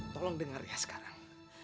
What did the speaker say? tolong dengarnya sekarang